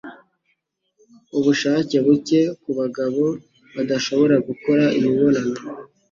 ubushake buke ku bagabo badashobora gukora imibonano